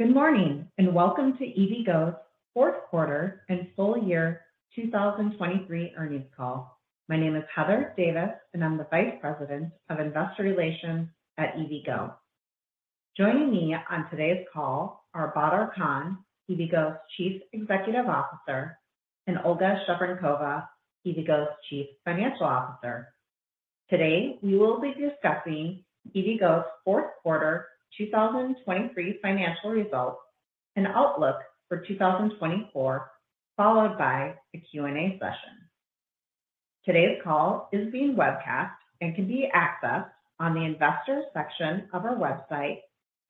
Good morning and welcome to EVgo's fourth quarter and full year 2023 earnings call. My name is Heather Davis, and I'm the Vice President of Investor Relations at EVgo. Joining me on today's call are Badar Khan, EVgo's Chief Executive Officer, and Olga Shevorenkova, EVgo's Chief Financial Officer. Today we will be discussing EVgo's fourth quarter 2023 financial results, an outlook for 2024, followed by a Q&A session. Today's call is being webcast and can be accessed on the Investors section of our website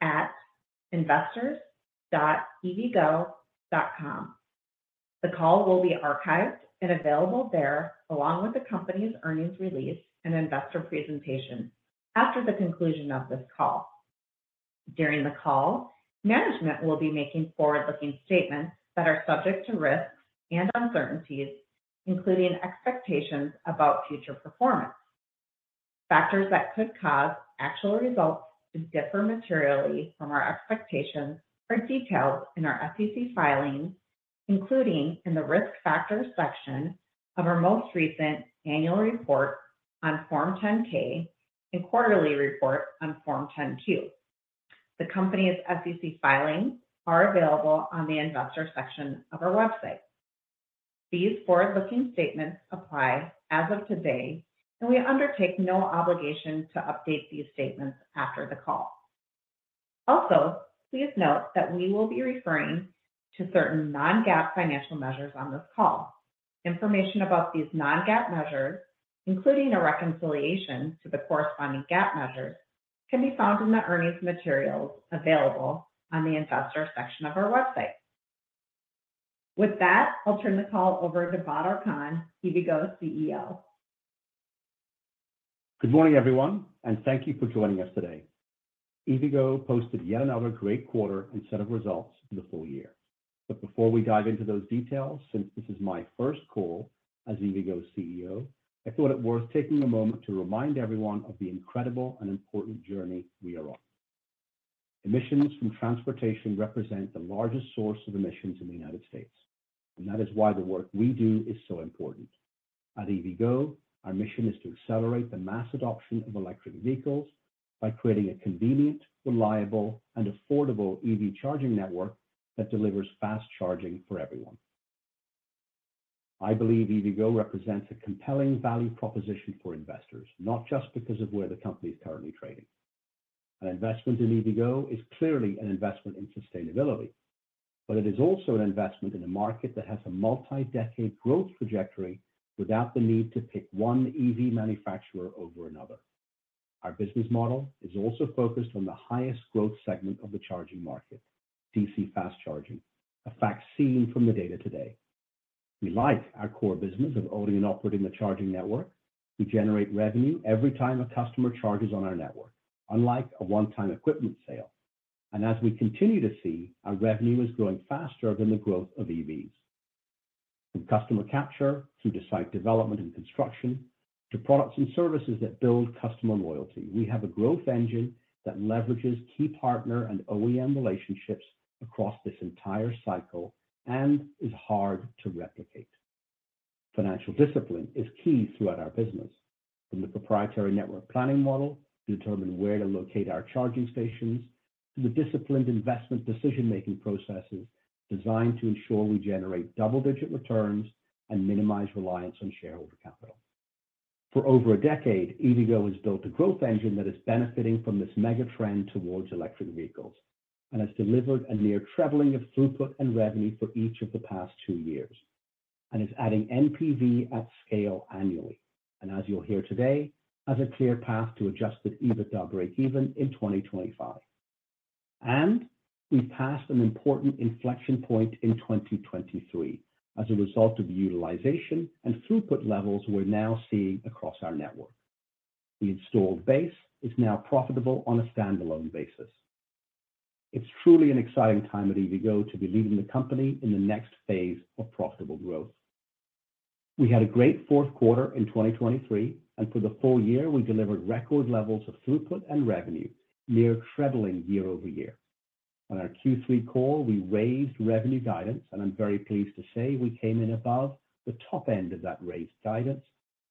at investors.evgo.com. The call will be archived and available there along with the company's earnings release and investor presentation after the conclusion of this call. During the call, management will be making forward-looking statements that are subject to risks and uncertainties, including expectations about future performance. Factors that could cause actual results to differ materially from our expectations are detailed in our SEC filings, including in the risk factors section of our most recent annual report on Form 10-K and quarterly report on Form 10-Q. The company's SEC filings are available on the Investors section of our website. These forward-looking statements apply as of today, and we undertake no obligation to update these statements after the call. Also, please note that we will be referring to certain non-GAAP financial measures on this call. Information about these non-GAAP measures, including a reconciliation to the corresponding GAAP measures, can be found in the earnings materials available on the Investors section of our w ebsite. With that, I'll turn the call over to Badar Khan, EVgo's CEO. Good morning, everyone, and thank you for joining us today. EVgo posted yet another great quarter and set of results for the full year. But before we dive into those details, since this is my first call as EVgo's CEO, I thought it worth taking a moment to remind everyone of the incredible and important journey we are on. Emissions from transportation represent the largest source of emissions in the United States, and that is why the work we do is so important. At EVgo, our mission is to accelerate the mass adoption of electric vehicles by creating a convenient, reliable, and affordable EV charging network that delivers fast charging for everyone. I believe EVgo represents a compelling value proposition for investors, not just because of where the company is currently trading. An investment in EVgo is clearly an investment in sustainability, but it is also an investment in a market that has a multi-decade growth trajectory without the need to pick one EV manufacturer over another. Our business model is also focused on the highest growth segment of the charging market, DC fast charging, a fact seen from the data today. We like our core business of owning and operating the charging network. We generate revenue every time a customer charges on our network, unlike a one-time equipment sale. And as we continue to see, our revenue is growing faster than the growth of EVs. From customer capture through to site development and construction, to products and services that build customer loyalty, we have a growth engine that leverages key partner and OEM relationships across this entire cycle and is hard to replicate. Financial discipline is key throughout our business, from the proprietary network planning model to determine where to locate our charging stations, to the disciplined investment decision-making processes designed to ensure we generate double-digit returns and minimize reliance on shareholder capital. For over a decade, EVgo has built a growth engine that is benefiting from this mega trend towards electric vehicles and has delivered a near-trebling of throughput and revenue for each of the past two years, and is adding NPV at scale annually, and as you'll hear today, has a clear path to adjusted EBITDA break-even in 2025. We've passed an important inflection point in 2023 as a result of the utilization and throughput levels we're now seeing across our network. The installed base is now profitable on a standalone basis. It's truly an exciting time at EVgo to be leading the company in the next phase of profitable growth. We had a great fourth quarter in 2023, and for the full year, we delivered record levels of throughput and revenue, near-trebling year over year. On our Q3 call, we raised revenue guidance, and I'm very pleased to say we came in above the top end of that raised guidance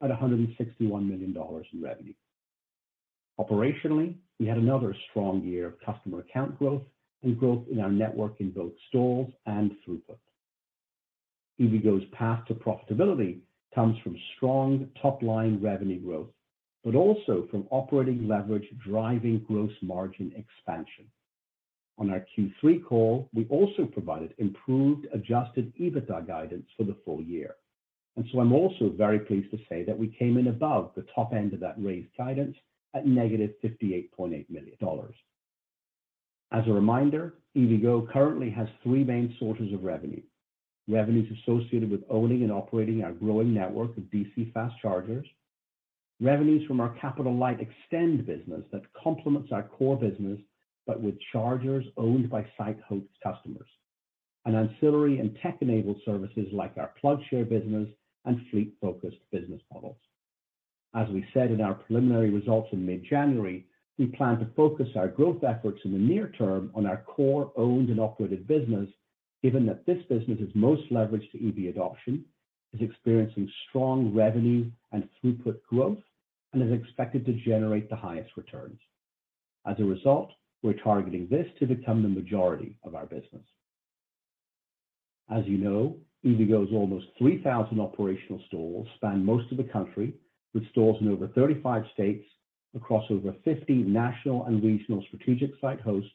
at $161 million in revenue. Operationally, we had another strong year of customer account growth and growth in our network in both stalls and throughput. EVgo's path to profitability comes from strong top-line revenue growth, but also from operating leverage driving gross margin expansion. On our Q3 call, we also provided improved adjusted EBITDA guidance for the full year, and so I'm also very pleased to say that we came in above the top end of that raised guidance at -$58.8 million. As a reminder, EVgo currently has three main sources of revenue: revenues associated with owning and operating our growing network of DC fast chargers, revenues from our capital light eXtend business that complements our core business but with chargers owned by site-host customers, and ancillary and tech-enabled services like our PlugShare business and fleet-focused business models. As we said in our preliminary results in mid-January, we plan to focus our growth efforts in the near term on our core owned and operated business, given that this business is most leveraged to EV adoption, is experiencing strong revenue and throughput growth, and is expected to generate the highest returns. As a result, we're targeting this to become the majority of our business. As you know, EVgo's almost 3,000 operational stalls span most of the country, with stalls in over 35 states, across over 50 national and regional strategic site hosts,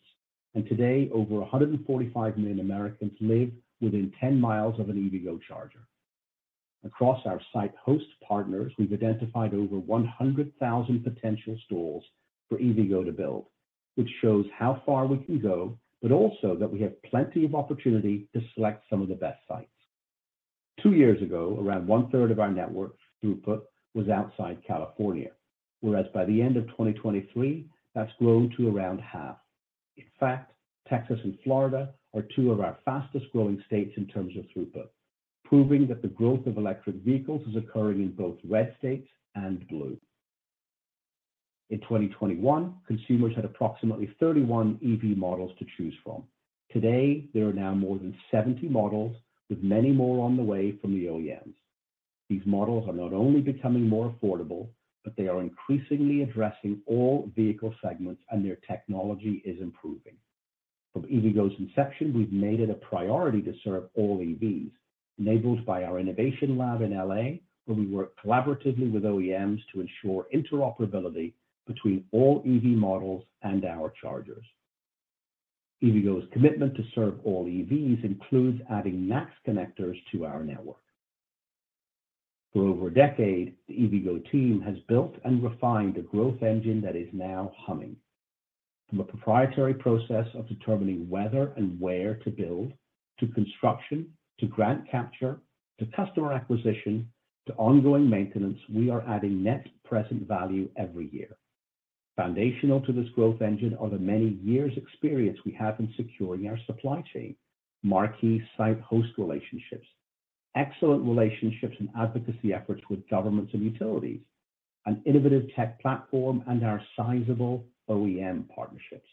and today over 145 million Americans live within 10 miles of an EVgo charger. Across our site host partners, we've identified over 100,000 potential stalls for EVgo to build, which shows how far we can go but also that we have plenty of opportunity to select some of the best sites. Two years ago, around one-third of our network throughput was outside California, whereas by the end of 2023, that's grown to around half. In fact, Texas and Florida are two of our fastest-growing states in terms of throughput, proving that the growth of electric vehicles is occurring in both red states and blue. In 2021, consumers had approximately 31 EV models to choose from. Today, there are now more than 70 models, with many more on the way from the OEMs. These models are not only becoming more affordable, but they are increasingly addressing all vehicle segments, and their technology is improving. From EVgo's inception, we've made it a priority to serve all EVs, enabled by our innovation lab in L.A., where we work collaboratively with OEMs to ensure interoperability between all EV models and our chargers. EVgo's commitment to serve all EVs includes adding NACS connectors to our network. For over a decade, the EVgo team has built and refined a growth engine that is now humming. From a proprietary process of determining whether and where to build, to construction, to grant capture, to customer acquisition, to ongoing maintenance, we are adding net present value every year. Foundational to this growth engine are the many years' experience we have in securing our supply chain, marquee site host relationships, excellent relationships and advocacy efforts with governments and utilities, an innovative tech platform, and our sizable OEM partnerships.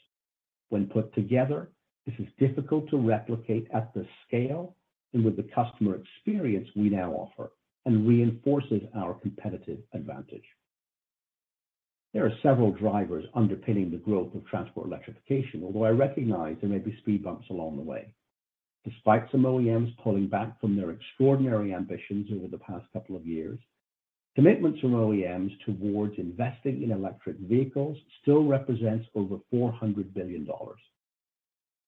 When put together, this is difficult to replicate at the scale and with the customer experience we now offer, and reinforces our competitive advantage. There are several drivers underpinning the growth of transport electrification, although I recognize there may be speed bumps along the way. Despite some OEMs pulling back from their extraordinary ambitions over the past couple of years, commitments from OEMs towards investing in electric vehicles still represent over $400 billion.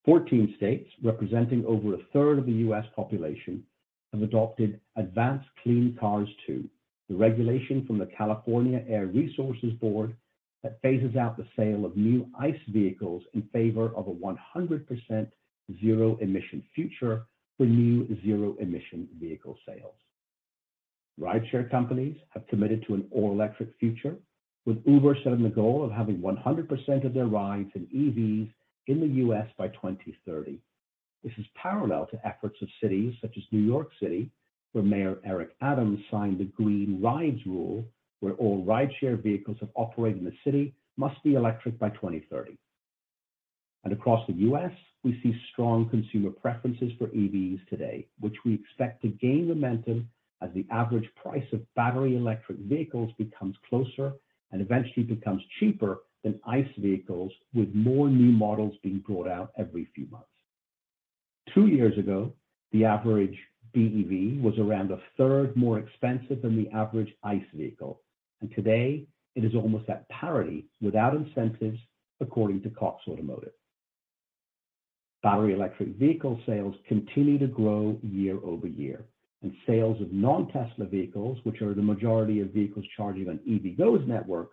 14 states, representing over a third of the U.S. population, have adopted Advanced Clean Cars II, the regulation from the California Air Resources Board that phases out the sale of new ICE vehicles in favor of a 100% zero-emission future for new zero-emission vehicle sales. Rideshare companies have committed to an all-electric future, with Uber setting the goal of having 100% of their rides in EVs in the U.S. by 2030. This is parallel to efforts of cities such as New York City, where Mayor Eric Adams signed the Green Rides rule, where all rideshare vehicles that operate in the city must be electric by 2030. Across the U.S., we see strong consumer preferences for EVs today, which we expect to gain momentum as the average price of battery electric vehicles becomes closer and eventually becomes cheaper than ICE vehicles, with more new models being brought out every few months. Two years ago, the average BEV was around a third more expensive than the average ICE vehicle, and today it is almost at parity without incentives, according to Cox Automotive. Battery electric vehicle sales continue to grow year-over-year, and sales of non-Tesla vehicles, which are the majority of vehicles charging on EVgo's network,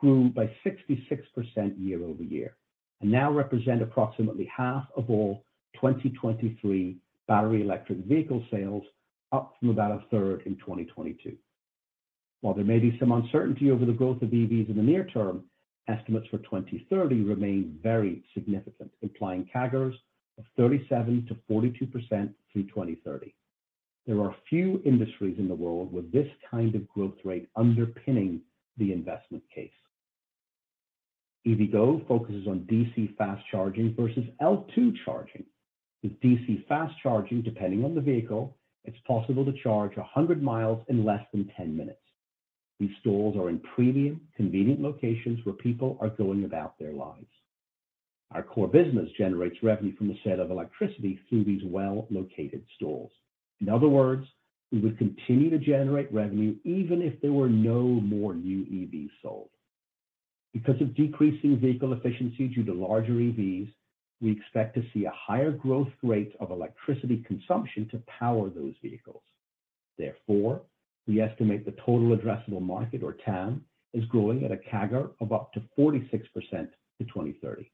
grew by 66% year-over-year and now represent approximately half of all 2023 battery electric vehicle sales, up from about a third in 2022. While there may be some uncertainty over the growth of EVs in the near term, estimates for 2030 remain very significant, implying CAGRs of 37%-42% through 2030. There are few industries in the world with this kind of growth rate underpinning the investment case. EVgo focuses on DC fast charging versus L2 charging. With DC fast charging, depending on the vehicle, it's possible to charge 100 miles in less than 10 minutes. These stalls are in premium, convenient locations where people are going about their lives. Our core business generates revenue from the sale of electricity through these well-located stalls. In other words, we would continue to generate revenue even if there were no more new EVs sold. Because of decreasing vehicle efficiencies due to larger EVs, we expect to see a higher growth rate of electricity consumption to power those vehicles. Therefore, we estimate the total addressable market, or TAM, is growing at a CAGR of up to 46% to 2030.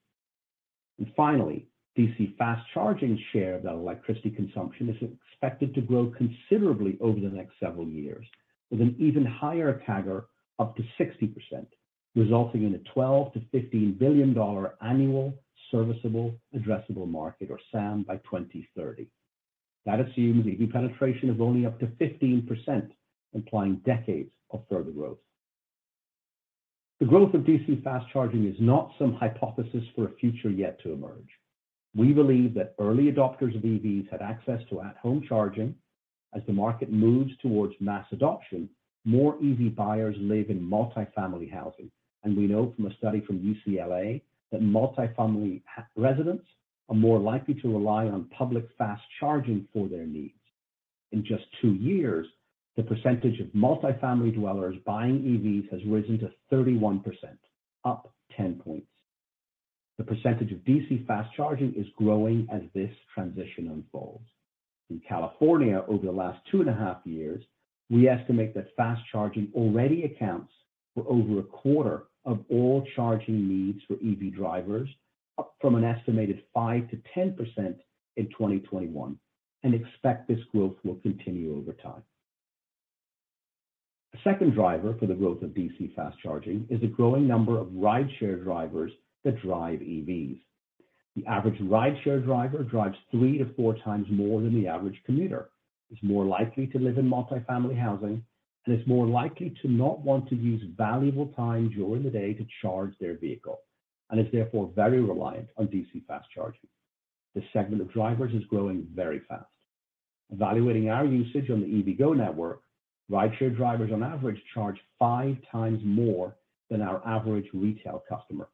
And finally, DC fast charging's share of that electricity consumption is expected to grow considerably over the next several years, with an even higher CAGR up to 60%, resulting in a $12-$15 billion annual serviceable addressable market, or SAM, by 2030. That assumes EV penetration of only up to 15%, implying decades of further growth. The growth of DC fast charging is not some hypothesis for a future yet to emerge. We believe that early adopters of EVs have access to at-home charging. As the market moves towards mass adoption, more EV buyers live in multifamily housing, and we know from a study from UCLA that multifamily residents are more likely to rely on public fast charging for their needs. In just 2 years, the percentage of multifamily dwellers buying EVs has risen to 31%, up 10 points. The percentage of DC fast charging is growing as this transition unfolds. In California, over the last 2 and a half years, we estimate that fast charging already accounts for over a quarter of all charging needs for EV drivers, up from an estimated 5%-10% in 2021, and expect this growth will continue over time. A second driver for the growth of DC fast charging is the growing number of rideshare drivers that drive EVs. The average rideshare driver drives 3-4 times more than the average commuter, is more likely to live in multifamily housing, and is more likely to not want to use valuable time during the day to charge their vehicle, and is therefore very reliant on DC fast charging. This segment of drivers is growing very fast. Evaluating our usage on the EVgo network, rideshare drivers on average charge five times more than our average retail customer.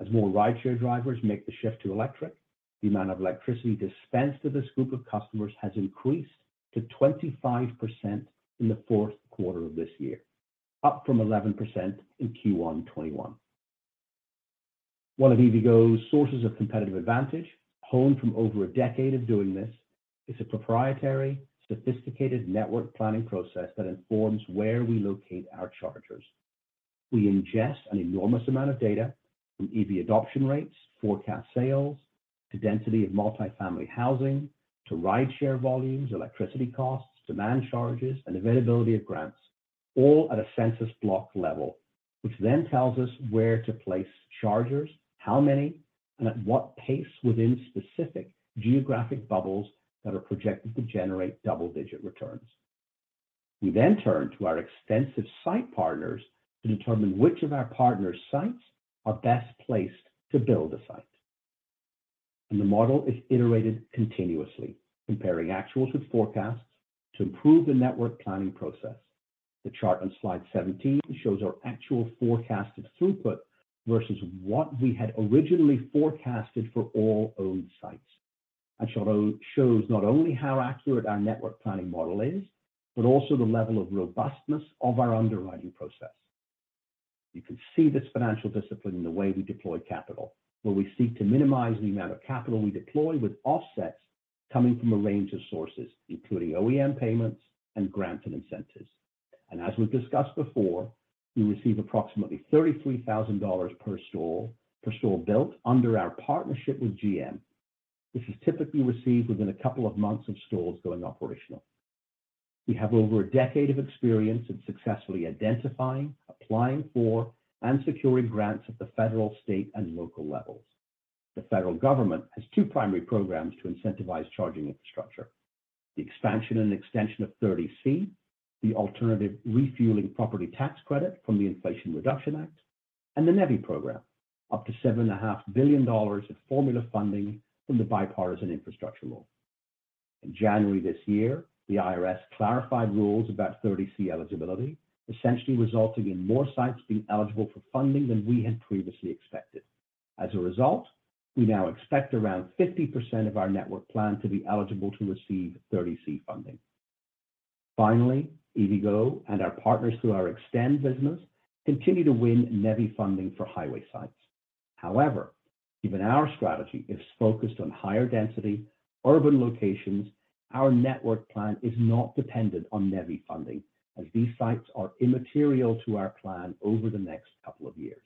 As more rideshare drivers make the shift to electric, the amount of electricity dispensed to this group of customers has increased to 25% in the fourth quarter of this year, up from 11% in Q1 2021. One of EVgo's sources of competitive advantage, honed from over a decade of doing this, is a proprietary, sophisticated network planning process that informs where we locate our chargers. We ingest an enormous amount of data from EV adoption rates, forecast sales, to density of multifamily housing, to rideshare volumes, electricity costs, demand charges, and availability of grants, all at a census block level, which then tells us where to place chargers, how many, and at what pace within specific geographic bubbles that are projected to generate double-digit returns. We then turn to our extensive site partners to determine which of our partners' sites are best placed to build a site. The model is iterated continuously, comparing actuals with forecasts to improve the network planning process. The chart on slide 17 shows our actual forecasted throughput versus what we had originally forecasted for all owned sites, and shows not only how accurate our network planning model is but also the level of robustness of our underwriting process. You can see this financial discipline in the way we deploy capital, where we seek to minimize the amount of capital we deploy with offsets coming from a range of sources, including OEM payments and grants and incentives. As we've discussed before, we receive approximately $33,000 per stall built under our partnership with GM. This is typically received within a couple of months of stalls going operational. We have over a decade of experience in successfully identifying, applying for, and securing grants at the federal, state, and local levels. The federal government has two primary programs to incentivize charging infrastructure: the expansion and extension of 30C, the alternative refueling property tax credit from the Inflation Reduction Act, and the NEVI program, up to $7.5 billion of formula funding from the Bipartisan Infrastructure Law. In January this year, the IRS clarified rules about 30C eligibility, essentially resulting in more sites being eligible for funding than we had previously expected. As a result, we now expect around 50% of our network plan to be eligible to receive 30C funding. Finally, EVgo and our partners through our eXtend business continue to win NEVI funding for highway sites. However, given our strategy is focused on higher density, urban locations, our network plan is not dependent on NEVI funding, as these sites are immaterial to our plan over the next couple of years.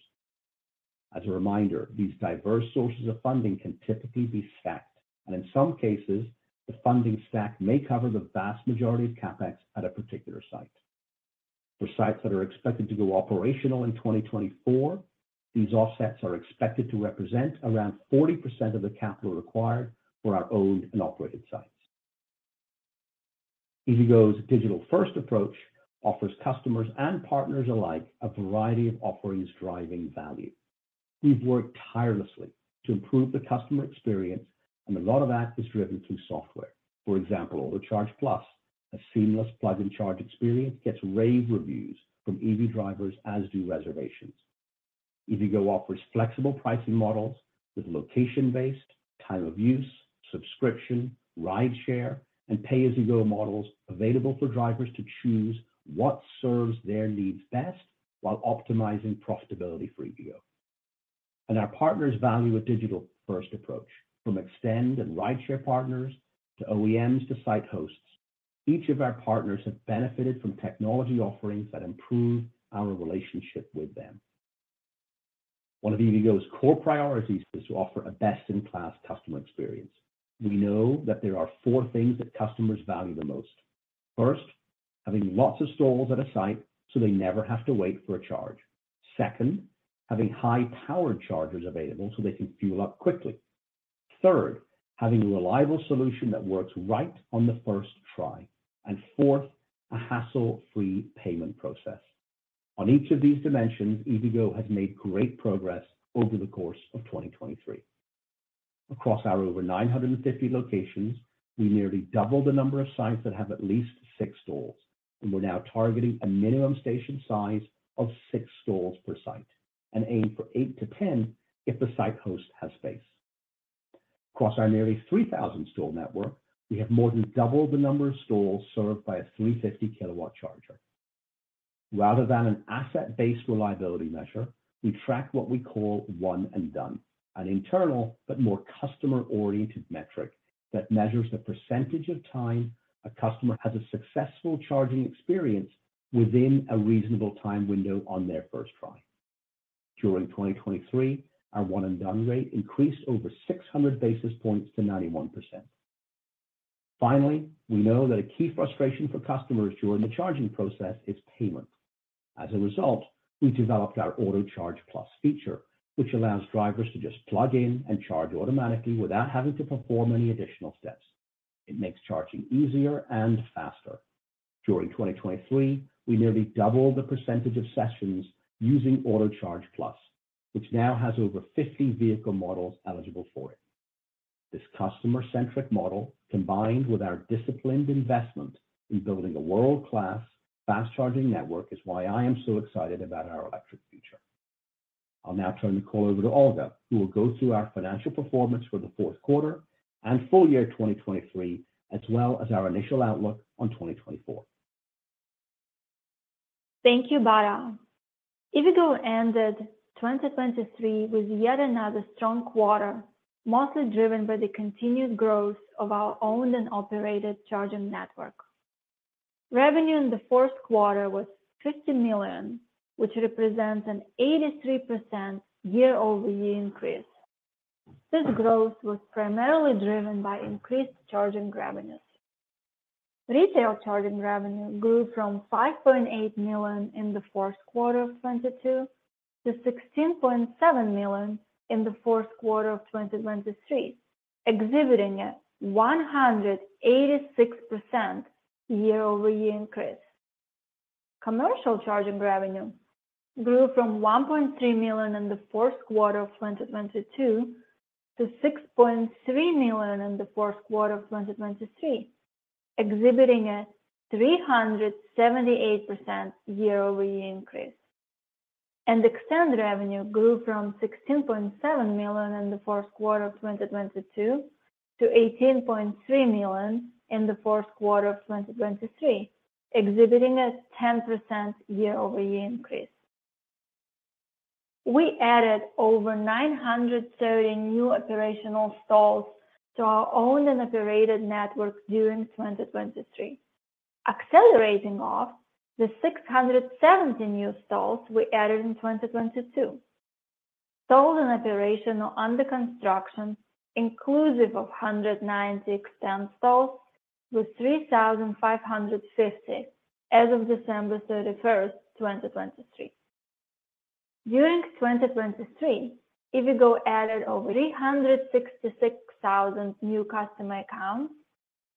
As a reminder, these diverse sources of funding can typically be stacked, and in some cases, the funding stack may cover the vast majority of CapEx at a particular site. For sites that are expected to go operational in 2024, these offsets are expected to represent around 40% of the capital required for our owned and operated sites. EVgo's digital-first approach offers customers and partners alike a variety of offerings driving value. We've worked tirelessly to improve the customer experience, and a lot of that is driven through software. For example, Autocharge+, a seamless plug-and-charge experience, gets rave reviews from EV drivers, as do reservations. EVgo offers flexible pricing models with location-based, time-of-use, subscription, rideshare, and pay-as-you-go models available for drivers to choose what serves their needs best while optimizing profitability for EVgo. Our partners value a digital-first approach. From eXtend and rideshare partners to OEMs to site hosts, each of our partners has benefited from technology offerings that improve our relationship with them. One of EVgo's core priorities is to offer a best-in-class customer experience. We know that there are four things that customers value the most. First, having lots of stalls at a site so they never have to wait for a charge. Second, having high-powered chargers available so they can fuel up quickly. Third, having a reliable solution that works right on the first try. And fourth, a hassle-free payment process. On each of these dimensions, EVgo has made great progress over the course of 2023. Across our over 950 locations, we nearly doubled the number of sites that have at least six stalls, and we're now targeting a minimum station size of six stalls per site and aim for 8-10 if the site host has space. Across our nearly 3,000-stall network, we have more than doubled the number of stalls served by a 350-kW charger. Rather than an asset-based reliability measure, we track what we call One & Done, an internal but more customer-oriented metric that measures the percentage of time a customer has a successful charging experience within a reasonable time window on their first try. During 2023, our One & Done rate increased over 600 basis points to 91%. Finally, we know that a key frustration for customers during the charging process is payment. As a result, we developed our Autocharge+ feature, which allows drivers to just plug in and charge automatically without having to perform any additional steps. It makes charging easier and faster. During 2023, we nearly doubled the percentage of sessions using Autocharge+, which now has over 50 vehicle models eligible for it. This customer-centric model, combined with our disciplined investment in building a world-class fast-charging network, is why I am so excited about our electric future. I'll now turn the call over to Olga, who will go through our financial performance for the fourth quarter and full year 2023, as well as our initial outlook on 2024. Thank you, Badar. EVgo ended 2023 with yet another strong quarter, mostly driven by the continued growth of our owned and operated charging network. Revenue in the fourth quarter was $50 million, which represents an 83% year-over-year increase. This growth was primarily driven by increased charging revenues. Retail charging revenue grew from $5.8 million in the fourth quarter of 2022 to $16.7 million in the fourth quarter of 2023, exhibiting a 186% year-over-year increase. Commercial charging revenue grew from $1.3 million in the fourth quarter of 2022 to $6.3 million in the fourth quarter of 2023, exhibiting a 378% year-over-year increase. eXtend revenue grew from $16.7 million in the fourth quarter of 2022 to $18.3 million in the fourth quarter of 2023, exhibiting a 10% year-over-year increase. We added over 930 new operational stalls to our owned and operated network during 2023, accelerating off the 670 new stalls we added in 2022. Stalls in operation or under construction, inclusive of 190 eXtend stalls, were 3,550 as of December 31st, 2023. During 2023, EVgo added over 366,000 new customer accounts,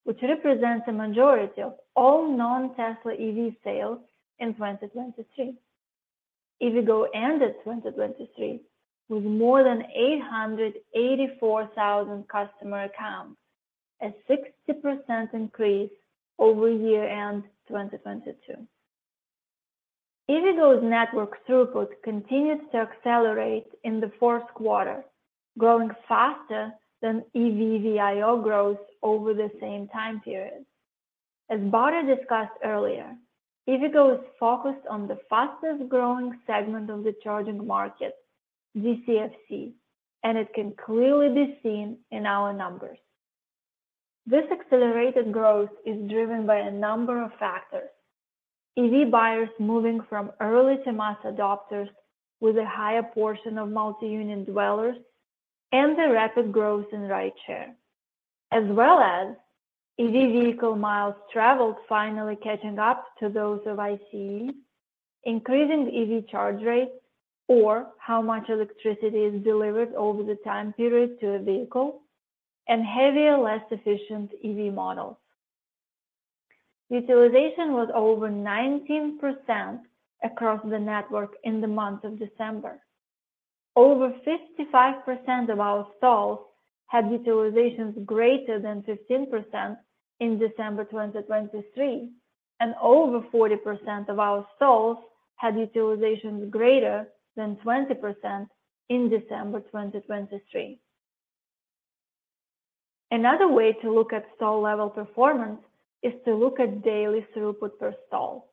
which represents a majority of all non-Tesla EV sales in 2023. EVgo ended 2023 with more than 884,000 customer accounts, a 60% increase over year-end 2022. EVgo's network throughput continued to accelerate in the fourth quarter, growing faster than EV VIO grows over the same time period. As Badar discussed earlier, EVgo is focused on the fastest-growing segment of the charging market, DCFC, and it can clearly be seen in our numbers. This accelerated growth is driven by a number of factors: EV buyers moving from early-to-mass adopters with a higher portion of multi-unit dwellers and the rapid growth in rideshare, as well as EV vehicle miles traveled finally catching up to those of ICEs, increasing EV charge rates or how much electricity is delivered over the time period to a vehicle, and heavier, less efficient EV models. Utilization was over 19% across the network in the month of December. Over 55% of our stalls had utilizations greater than 15% in December 2023, and over 40% of our stalls had utilizations greater than 20% in December 2023. Another way to look at stall-level performance is to look at daily throughput per stall.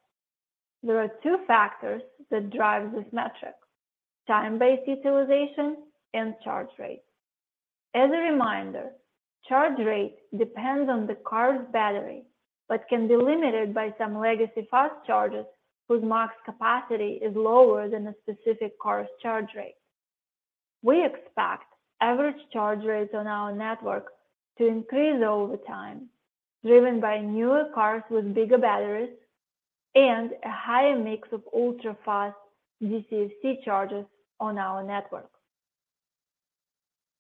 There are two factors that drive this metric: time-based utilization and charge rate. As a reminder, charge rate depends on the car's battery but can be limited by some legacy fast chargers whose max capacity is lower than a specific car's charge rate. We expect average charge rates on our network to increase over time, driven by newer cars with bigger batteries and a higher mix of ultra-fast DCFC chargers on our network.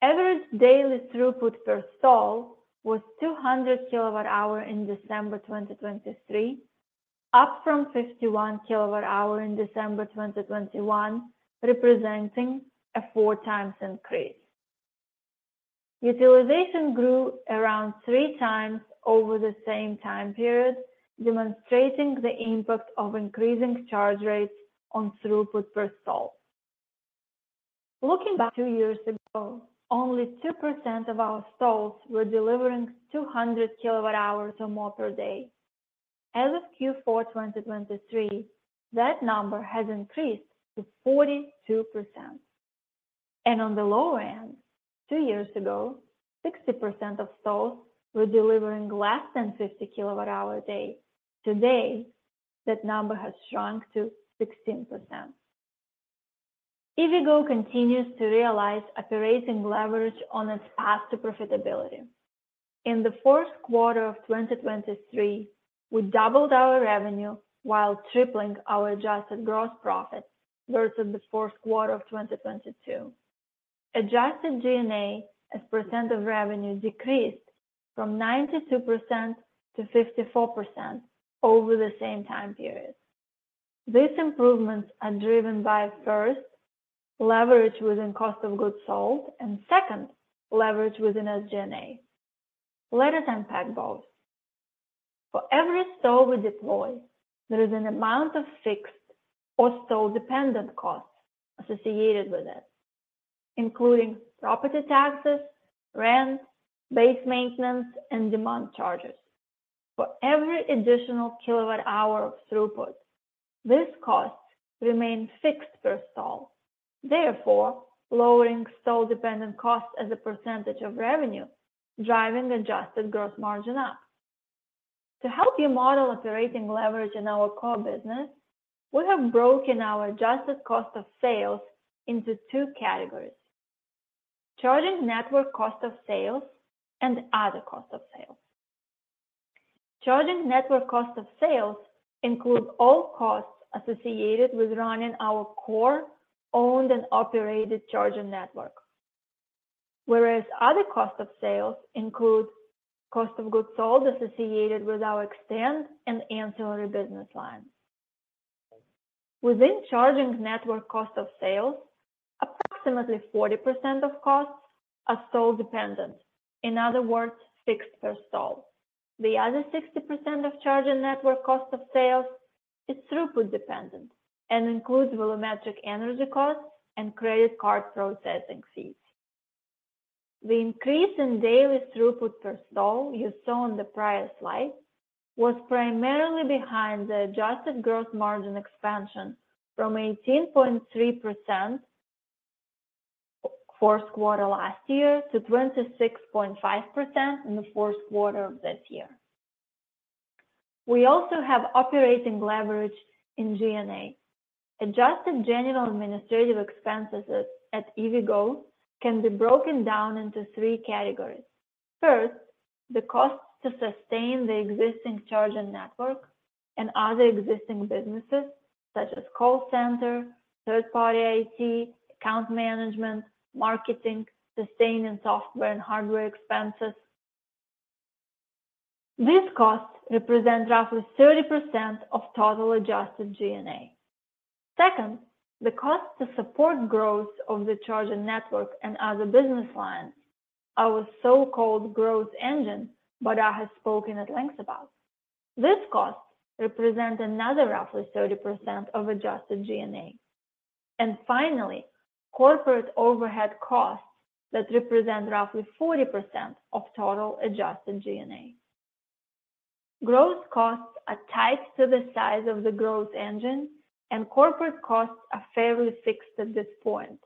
Average daily throughput per stall was 200 kWh in December 2023, up from 51 kWh in December 2021, representing a 4x increase. Utilization grew around 3 times over the same time period, demonstrating the impact of increasing charge rates on throughput per stall. Looking back two years ago, only 2% of our stalls were delivering 200 kWh or more per day. As of Q4 2023, that number has increased to 42%. On the lower end, two years ago, 60% of stalls were delivering less than 50 kWh a day. Today, that number has shrunk to 16%. EVgo continues to realize operating leverage on its path to profitability. In the fourth quarter of 2023, we doubled our revenue while tripling our adjusted gross profit versus the fourth quarter of 2022. Adjusted G&A as percent of revenue decreased from 92% to 54% over the same time period. These improvements are driven by, first, leverage within cost of goods sold, and second, leverage within SG&A. Let us unpack both. For every stall we deploy, there is an amount of fixed or stall-dependent costs associated with it, including property taxes, rent, base maintenance, and demand charges. For every additional kilowatt-hour of throughput, these costs remain fixed per stall, therefore lowering stall-dependent costs as a percentage of revenue, driving adjusted gross margin up. To help you model operating leverage in our core business, we have broken our adjusted cost of sales into two categories: charging network cost of sales and other cost of sales. Charging network cost of sales includes all costs associated with running our core, owned, and operated charging network, whereas other cost of sales include cost of goods sold associated with our eXtend and ancillary business lines. Within charging network cost of sales, approximately 40% of costs are stall-dependent, in other words, fixed per stall. The other 60% of charging network cost of sales is throughput-dependent and includes volumetric energy costs and credit card processing fees. The increase in daily throughput per stall you saw in the prior slide was primarily behind the adjusted gross margin expansion from 18.3% fourth quarter last year to 26.5% in the fourth quarter of this year. We also have operating leverage in G&A. Adjusted general administrative expenses at EVgo can be broken down into three categories. First, the costs to sustain the existing charging network and other existing businesses such as call center, third-party IT, account management, marketing, sustaining software and hardware expenses. These costs represent roughly 30% of total adjusted G&A. Second, the costs to support growth of the charging network and other business lines, our so-called growth engine Badar has spoken at length about. These costs represent another roughly 30% of adjusted G&A. And finally, corporate overhead costs that represent roughly 40% of total adjusted G&A. Gross costs are tied to the size of the growth engine, and corporate costs are fairly fixed at this point.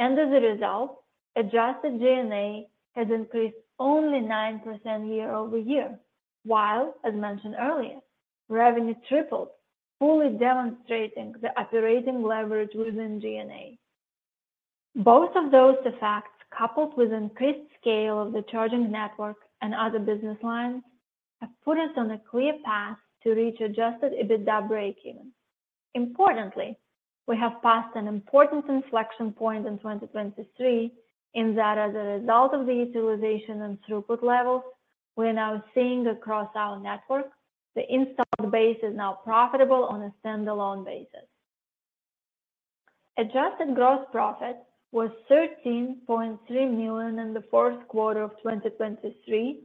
As a result, adjusted G&A has increased only 9% year-over-year, while, as mentioned earlier, revenue tripled, fully demonstrating the operating leverage within G&A. Both of those effects, coupled with the increased scale of the charging network and other business lines, have put us on a clear path to reach adjusted EBITDA break-even. Importantly, we have passed an important inflection point in 2023 in that, as a result of the utilization and throughput levels, we are now seeing across our network the installed base is now profitable on a standalone basis. Adjusted gross profit was $13.3 million in the fourth quarter of 2023,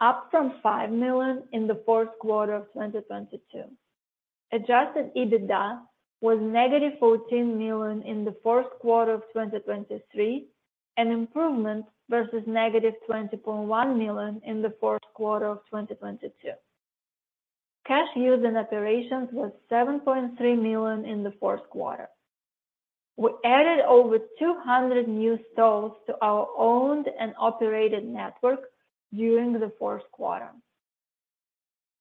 up from $5 million in the fourth quarter of 2022. Adjusted EBITDA was negative $14 million in the fourth quarter of 2023, an improvement versus negative $20.1 million in the fourth quarter of 2022. Cash used in operations was $7.3 million in the fourth quarter. We added over 200 new stalls to our owned and operated network during the fourth quarter.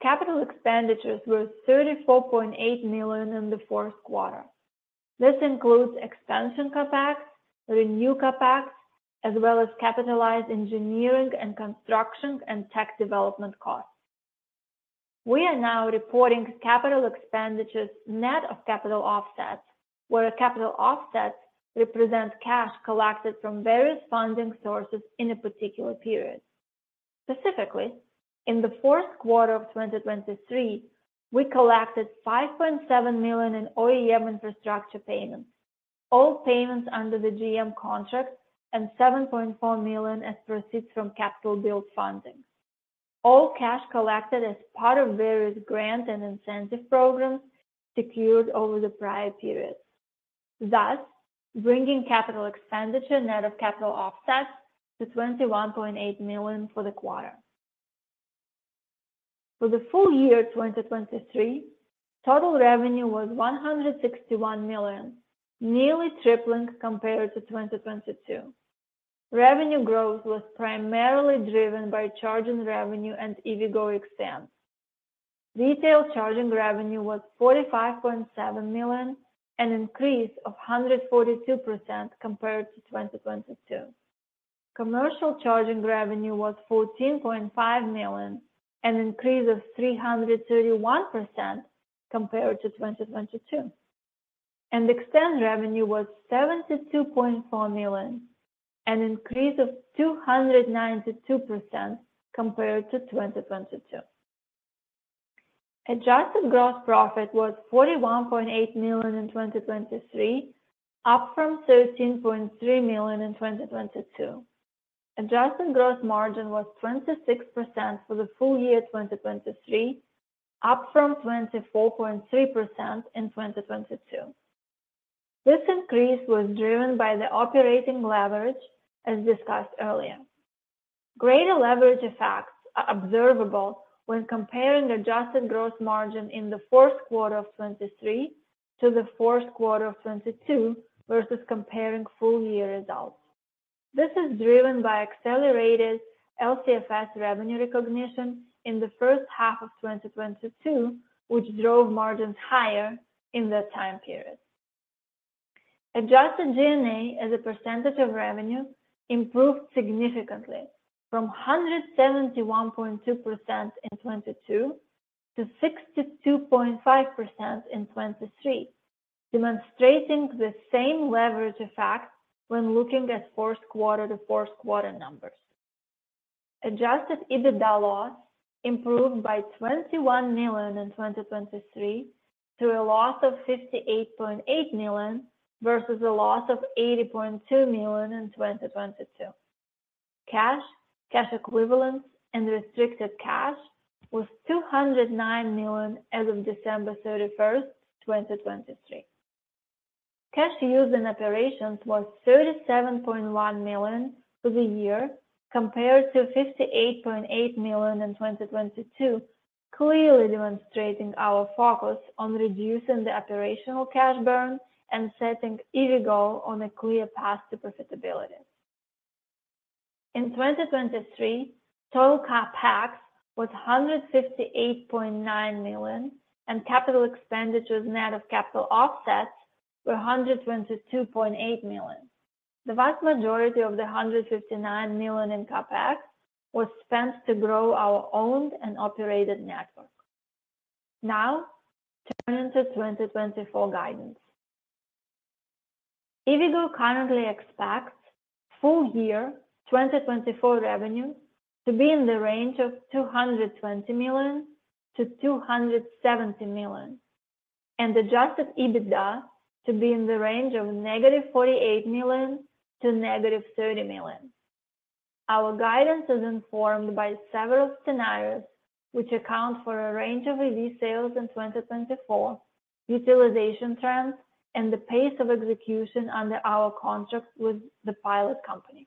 Capital expenditures were $34.8 million in the fourth quarter. This includes expansion CapEx, renewal CapEx, as well as capitalized engineering and construction and tech development costs. We are now reporting capital expenditures net of capital offsets, where capital offsets represent cash collected from various funding sources in a particular period. Specifically, in the fourth quarter of 2023, we collected $5.7 million in OEM infrastructure payments, all payments under the GM contract, and $7.4 million as proceeds from capital-built funding, all cash collected as part of various grant and incentive programs secured over the prior periods, thus bringing capital expenditure net of capital offsets to $21.8 million for the quarter. For the full year 2023, total revenue was $161 million, nearly tripling compared to 2022. Revenue growth was primarily driven by charging revenue and EVgo eXtend. Retail charging revenue was $45.7 million, an increase of 142% compared to 2022. Commercial charging revenue was $14.5 million, an increase of 331% compared to 2022. eXtend revenue was $72.4 million, an increase of 292% compared to 2022. Adjusted gross profit was $41.8 million in 2023, up from $13.3 million in 2022. Adjusted gross margin was 26% for the full year 2023, up from 24.3% in 2022. This increase was driven by the operating leverage, as discussed earlier. Greater leverage effects are observable when comparing adjusted gross margin in the fourth quarter of 2023 to the fourth quarter of 2022 versus comparing full-year results. This is driven by accelerated LCFS revenue recognition in the first half of 2022, which drove margins higher in that time period. Adjusted G&A as a percentage of revenue improved significantly from 171.2% in 2022 to 62.5% in 2023, demonstrating the same leverage effect when looking at fourth quarter to fourth quarter numbers. Adjusted EBITDA loss improved by $21 million in 2023 to a loss of $58.8 million versus a loss of $80.2 million in 2022. Cash, cash equivalents, and restricted cash was $209 million as of December 31st, 2023. Cash used in operations was $37.1 million for the year compared to $58.8 million in 2022, clearly demonstrating our focus on reducing the operational cash burn and setting EVgo on a clear path to profitability. In 2023, total CapEx was $158.9 million, and capital expenditures net of capital offsets were $122.8 million. The vast majority of the $159 million in CapEx was spent to grow our owned and operated network. Now, turn into 2024 guidance. EVgo currently expects full-year 2024 revenue to be in the range of $220 million-$270 million, and adjusted EBITDA to be in the range of -$48 million to -$30 million. Our guidance is informed by several scenarios which account for a range of EV sales in 2024, utilization trends, and the pace of execution under our contract with the Pilot Company.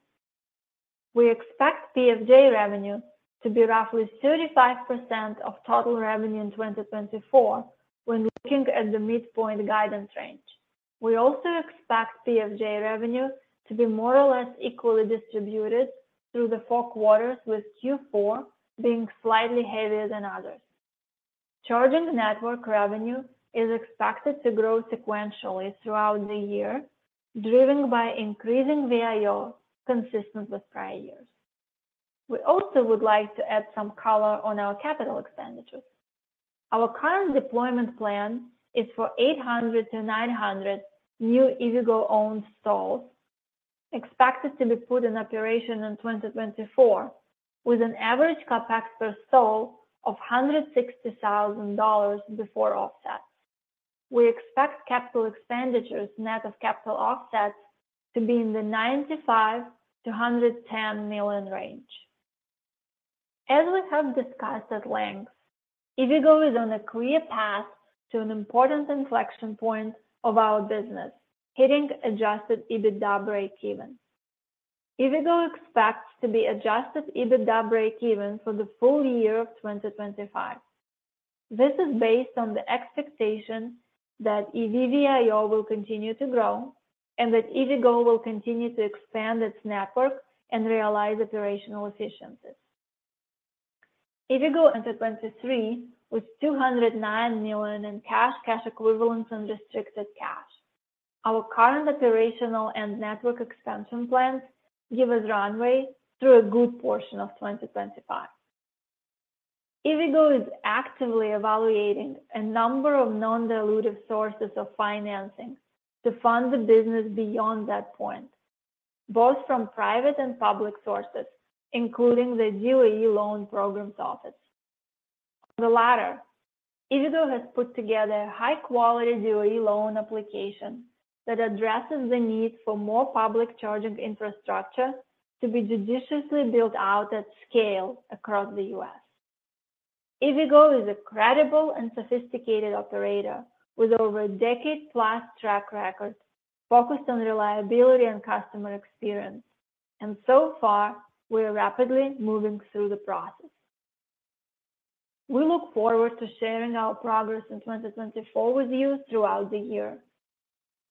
We expect PFJ revenue to be roughly 35% of total revenue in 2024 when looking at the midpoint guidance range. We also expect PFJ revenue to be more or less equally distributed through the four quarters, with Q4 being slightly heavier than others. Charging network revenue is expected to grow sequentially throughout the year, driven by increasing VIO consistent with prior years. We also would like to add some color on our capital expenditures. Our current deployment plan is for 800-900 new EVgo-owned stalls, expected to be put in operation in 2024, with an average CapEx per stall of $160,000 before offsets. We expect capital expenditures net of capital offsets to be in the $95 million-$110 million range. As we have discussed at length, EVgo is on a clear path to an important inflection point of our business, hitting adjusted EBITDA break-even. EVgo expects to be adjusted EBITDA break-even for the full year of 2025. This is based on the expectation that EV VIO will continue to grow and that EVgo will continue to expand its network and realize operational efficiencies. EVgo 2023 with $209 million in cash, cash equivalents, and restricted cash. Our current operational and network expansion plans give us runway through a good portion of 2025. EVgo is actively evaluating a number of non-dilutive sources of financing to fund the business beyond that point, both from private and public sources, including the DOE Loan Programs Office. On the latter, EVgo has put together a high-quality DOE loan application that addresses the need for more public charging infrastructure to be judiciously built out at scale across the U.S. EVgo is a credible and sophisticated operator with over a decade-plus track record focused on reliability and customer experience, and so far, we are rapidly moving through the process. We look forward to sharing our progress in 2024 with you throughout the year.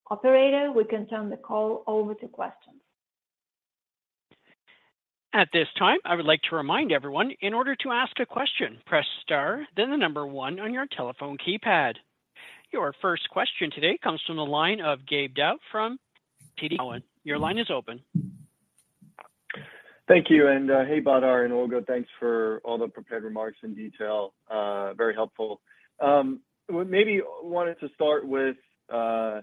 Operator, we can turn the call over to questions. At this time, I would like to remind everyone, in order to ask a question, press star, then the number one on your telephone keypad. Your first question today comes from the line of Gabe Daoud from TD Cowen. Your line is open. Thank you. And hey, Badar and Olga. Thanks for all the prepared remarks in detail. Very helpful. Maybe wanted to start with, Olga,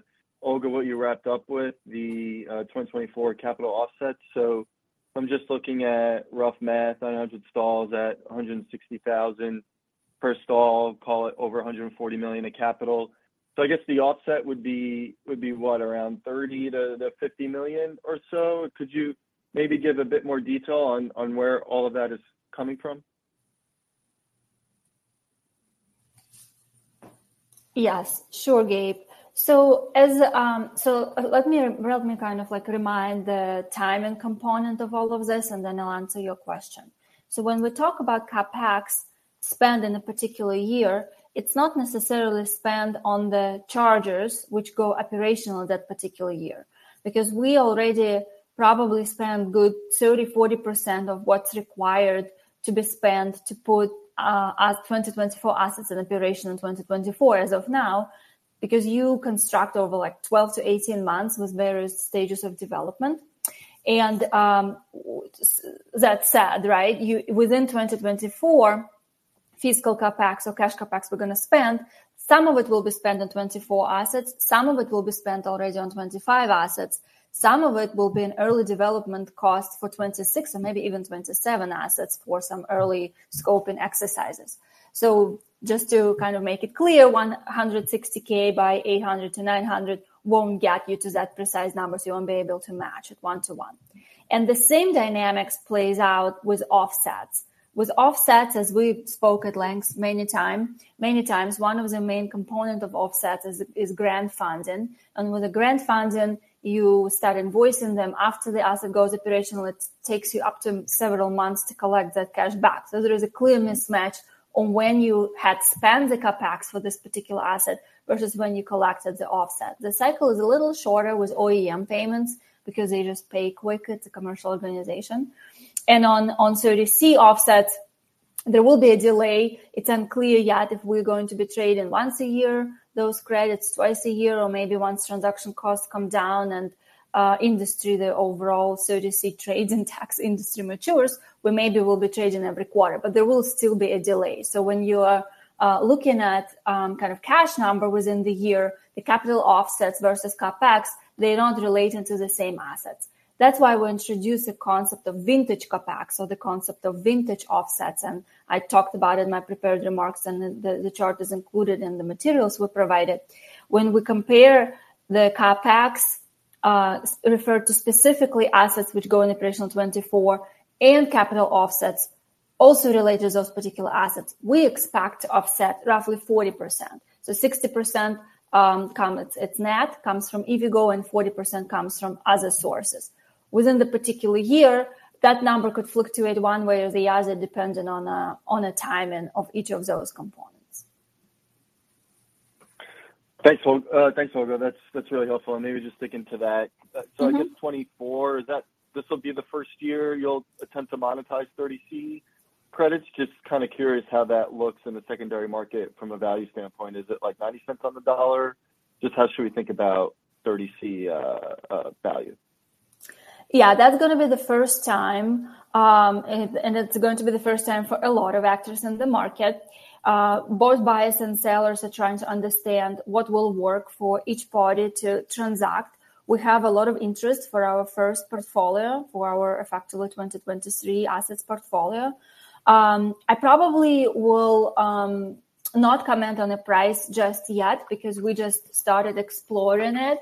what you wrapped up with, the 2024 capital offset. So I'm just looking at rough math: 900 stalls at $160,000 per stall, call it over $140 million in capital. So I guess the offset would be, what, around $30 million-$50 million or so? Could you maybe give a bit more detail on where all of that is coming from? Yes. Sure, Gabe. So let me kind of remind the timing component of all of this, and then I'll answer your question. So when we talk about CapEx spend in a particular year, it's not necessarily spend on the chargers which go operational that particular year. Because we already probably spend good 30%-40% of what's required to be spent to put 2024 assets in operation in 2024 as of now, because you construct over 12-18 months with various stages of development. And that said, within 2024, fiscal CapEx or cash CapEx we're going to spend, some of it will be spent on 2024 assets, some of it will be spent already on 2025 assets, some of it will be an early development cost for 2026 or maybe even 2027 assets for some early scoping exercises. So just to kind of make it clear, 160,000 by 800-900 won't get you to that precise number. So you won't be able to match it one-to-one. And the same dynamics play out with offsets. With offsets, as we spoke at length many times, one of the main components of offsets is grant funding. And with the grant funding, you start invoicing them after the asset goes operational. It takes you up to several months to collect that cash back. So there is a clear mismatch on when you had spent the CapEx for this particular asset versus when you collected the offset. The cycle is a little shorter with OEM payments because they just pay quick. It's a commercial organization. And on 30C offsets, there will be a delay. It's unclear yet if we're going to be trading once a year those credits, twice a year, or maybe once transaction costs come down and industry, the overall 30C trading tax industry matures, we maybe will be trading every quarter. But there will still be a delay. So when you are looking at kind of cash number within the year, the capital offsets versus CapEx, they're not relating to the same assets. That's why we introduce a concept of vintage CapEx or the concept of vintage offsets. And I talked about it in my prepared remarks, and the chart is included in the materials we provided. When we compare the CapEx referred to specifically assets which go in operational 2024 and capital offsets, also related to those particular assets, we expect to offset roughly 40%. So 60% comes it's net, comes from EVgo, and 40% comes from other sources. Within the particular year, that number could fluctuate one way or the other depending on the timing of each of those components. Thanks, Olga. That's really helpful. And maybe just sticking to that. So I guess 2024, this will be the first year you'll attempt to monetize 30C credits? Just kind of curious how that looks in the secondary market from a value standpoint. Is it like $0.90 on the dollar? Just how should we think about 30C value? Yeah. That's going to be the first time, and it's going to be the first time for a lot of actors in the market. Both buyers and sellers are trying to understand what will work for each party to transact. We have a lot of interest for our first portfolio, for our EVgo's actual 2023 assets portfolio. I probably will not comment on the price just yet because we just started exploring it.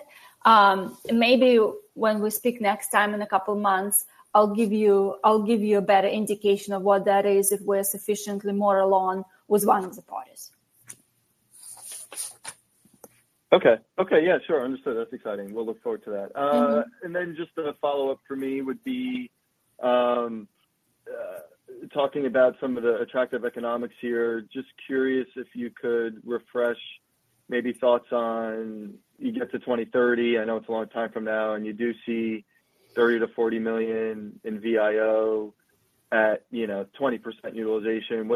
Maybe when we speak next time in a couple of months, I'll give you a better indication of what that is if we're sufficiently more along with one of the parties. Okay. Okay. Yeah. Sure. Understood. That's exciting. We'll look forward to that. And then just a follow-up for me would be talking about some of the attractive economics here. Just curious if you could refresh maybe thoughts on you get to 2030. I know it's a long time from now, and you do see 30-40 million in VIO at 20% utilization.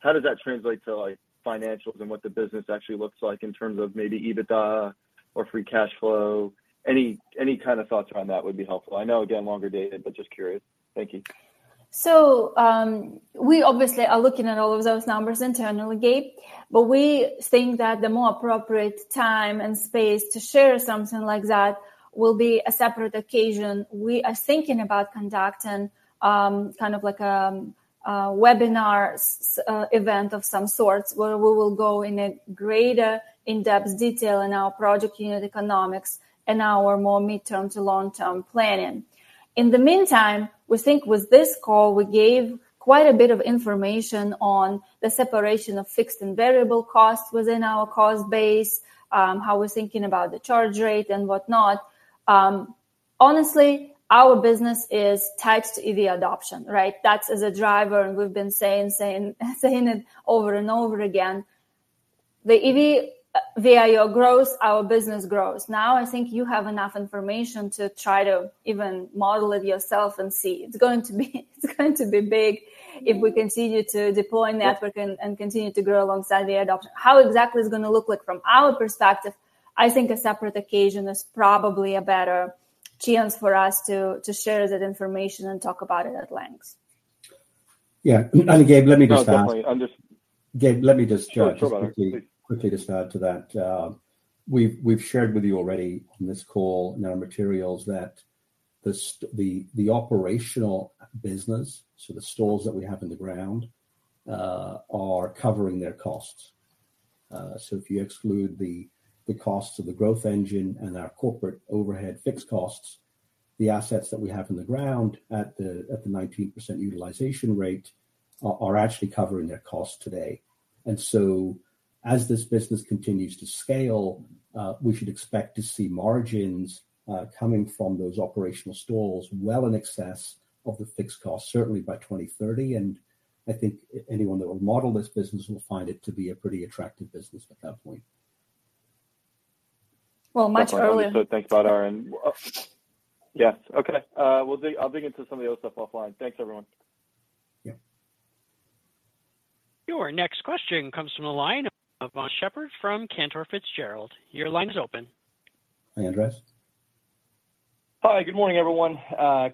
How does that translate to financials and what the business actually looks like in terms of maybe EBITDA or free cash flow? Any kind of thoughts around that would be helpful. I know, again, longer dated, but just curious. Thank you. So we obviously are looking at all of those numbers internally, Gabe. But we think that the more appropriate time and space to share something like that will be a separate occasion. We are thinking about conducting kind of like a webinar event of some sorts where we will go in greater in-depth detail in our project unit economics and our more mid-term to long-term planning. In the meantime, we think with this call, we gave quite a bit of information on the separation of fixed and variable costs within our cost base, how we're thinking about the charge rate, and whatnot. Honestly, our business is tied to EV adoption. That's a driver, and we've been saying it over and over again. The EV VIO grows, our business grows. Now, I think you have enough information to try to even model it yourself and see. It's going to be big if we continue to deploy network and continue to grow alongside the adoption. How exactly it's going to look like from our perspective, I think a separate occasion is probably a better chance for us to share that information and talk about it at length. Yeah. And Gabe, let me just add. Oh, definitely. Understood. Gabe, let me just jump quickly to start to that. We've shared with you already on this call in our materials that the operational business, so the stalls that we have in the ground, are covering their costs. So if you exclude the costs of the growth engine and our corporate overhead fixed costs, the assets that we have in the ground at the 19% utilization rate are actually covering their costs today. And so as this business continues to scale, we should expect to see margins coming from those operational stalls well in excess of the fixed costs, certainly by 2030. And I think anyone that will model this business will find it to be a pretty attractive business at that point. Well, much earlier. Thank you so much. So thanks, Badar. Yes. Okay. I'll dig into some of the other stuff offline. Thanks, everyone. Yeah. Your next question comes from the line of Andres Sheppard from Cantor Fitzgerald. Your line is open. Hi, Andres. Hi. Good morning, everyone.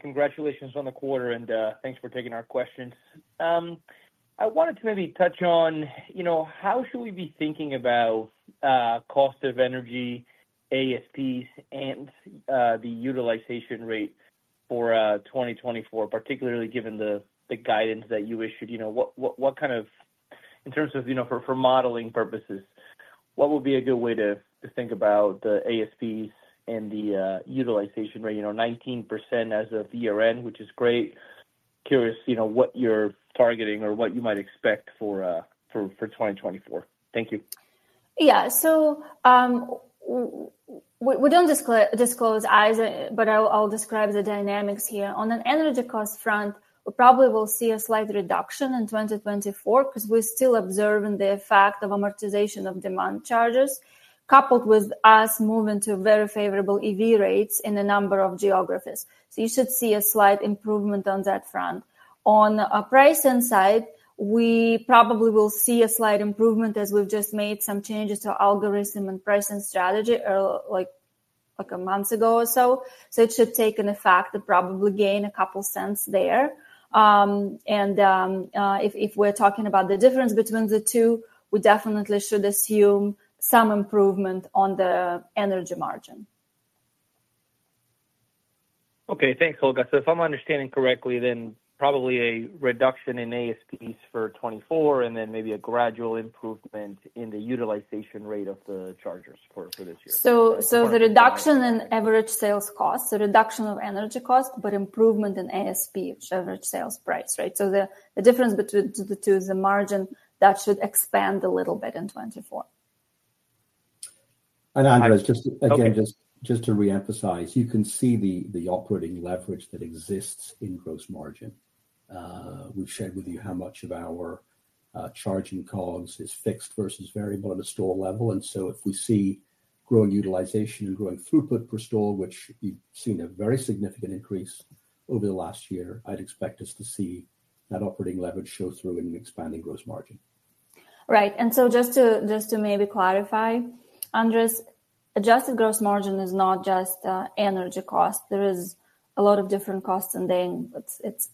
Congratulations on the quarter, and thanks for taking our questions. I wanted to maybe touch on how should we be thinking about cost of energy, ASPs, and the utilization rate for 2024, particularly given the guidance that you issued? What kind of, in terms of, for modeling purposes, what would be a good way to think about the ASPs and the utilization rate? 19% as of year-end, which is great. Curious what you're targeting or what you might expect for 2024. Thank you. Yeah. So we don't disclose EVs, but I'll describe the dynamics here. On an energy cost front, we probably will see a slight reduction in 2024 because we're still observing the effect of amortization of demand charges coupled with us moving to very favorable EV rates in a number of geographies. So you should see a slight improvement on that front. On pricing side, we probably will see a slight improvement as we've just made some changes to algorithm and pricing strategy like a month ago or so. So it should take effect to probably gain a couple cents there. And if we're talking about the difference between the two, we definitely should assume some improvement on the energy margin. Okay. Thanks, Olga. So if I'm understanding correctly, then probably a reduction in ASPs for 2024 and then maybe a gradual improvement in the utilization rate of the chargers for this year. So the reduction in average sales cost, the reduction of energy cost, but improvement in ASP, average sales price. So the difference between the two, the margin that should expand a little bit in 2024. Andres, again, just to reemphasize, you can see the operating leverage that exists in gross margin. We've shared with you how much of our charging costs is fixed versus variable at a store level. And so if we see growing utilization and growing throughput per store, which you've seen a very significant increase over the last year, I'd expect us to see that operating leverage show through in an expanding gross margin. Right. And so just to maybe clarify, Andres, adjusted gross margin is not just energy cost. There is a lot of different costs in there. It's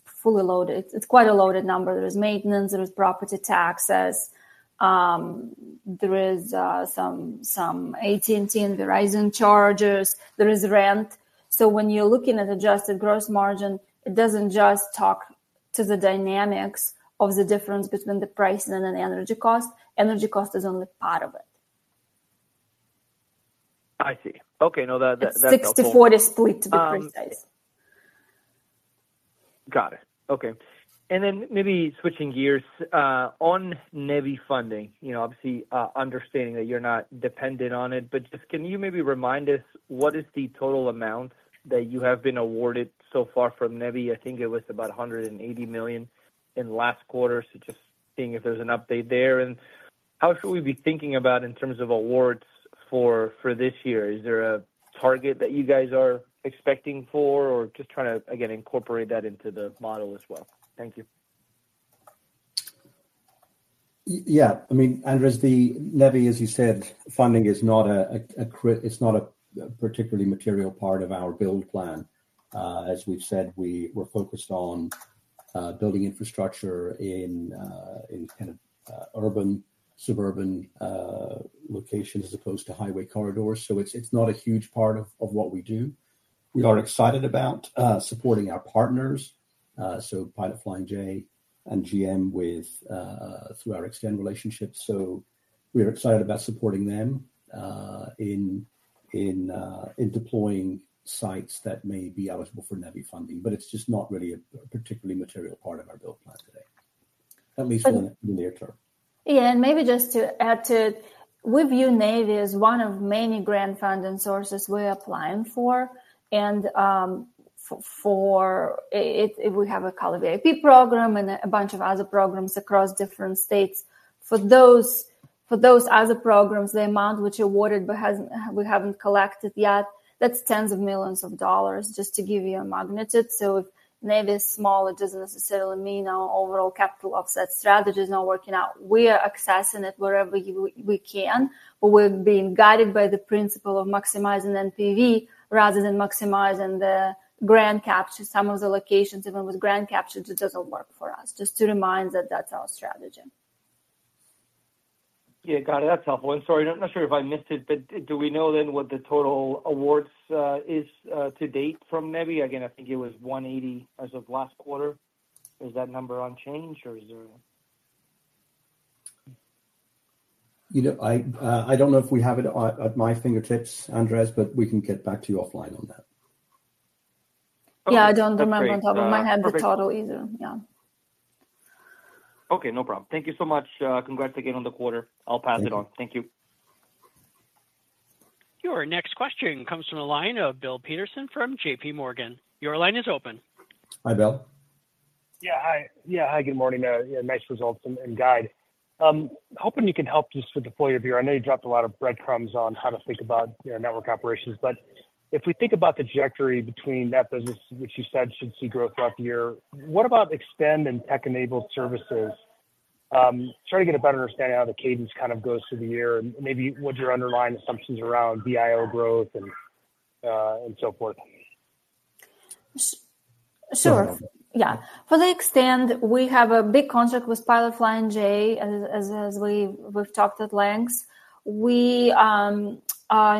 quite a loaded number. There is maintenance. There is property taxes. There is some AT&T and Verizon charges. There is rent. So when you're looking at adjusted gross margin, it doesn't just talk to the dynamics of the difference between the pricing and an energy cost. Energy cost is only part of it. I see. Okay. No, that's helpful. 60/40 split, to be precise. Got it. Okay. And then maybe switching gears, on NEVI funding, obviously understanding that you're not dependent on it, but just can you maybe remind us what is the total amount that you have been awarded so far from NEVI? I think it was about $180 million in last quarter. So just seeing if there's an update there. And how should we be thinking about in terms of awards for this year? Is there a target that you guys are expecting for or just trying to, again, incorporate that into the model as well? Thank you. Yeah. I mean, Andres, the NEVI, as you said, funding is not a particularly material part of our build plan. As we've said, we're focused on building infrastructure in kind of urban, suburban locations as opposed to highway corridors. So it's not a huge part of what we do. We are excited about supporting our partners, so Pilot Flying J and GM through our eXtend relationship. So we are excited about supporting them in deploying sites that may be eligible for NEVI funding. But it's just not really a particularly material part of our build plan today, at least in the near term. Yeah. And maybe just to add to it, we view NEVI as one of many grant funding sources we're applying for. We have a CALeVIP program and a bunch of other programs across different states. For those other programs, the amount which we haven't collected yet, that's $ tens of millions, just to give you a magnitude. So if NEVI is small, it doesn't necessarily mean our overall capital offset strategy is not working out. We're accessing it wherever we can, but we're being guided by the principle of maximizing NPV rather than maximizing the grant capture. Some of the locations, even with grant capture, it doesn't work for us. Just to remind that that's our strategy. Yeah. Got it. That's helpful. And sorry, I'm not sure if I missed it, but do we know then what the total awards is to date from NEVI? Again, I think it was 180 as of last quarter. Is that number unchanged, or is there? I don't know if we have it at my fingertips, Andres, but we can get back to you offline on that. Yeah. I don't remember on top of my head the total either. Yeah. Okay. No problem. Thank you so much. Congrats again on the quarter. I'll pass it on. Thank you. Your next question comes from the line of Bill Peterson from J.P. Morgan. Your line is open. Hi, Bill. Yeah. Hi. Yeah. Hi. Good morning. Nice results and guide. Hoping you can help just with the full review. I know you dropped a lot of breadcrumbs on how to think about network operations. But if we think about the trajectory between that business, which you said should see growth throughout the year, what about Extend and Tech-enabled services? Try to get a better understanding of how the cadence kind of goes through the year and maybe what your underlying assumptions around VIO growth and so forth. Sure. Yeah. For the eXtend, we have a big contract with Pilot Flying J, as we've talked at length. We are in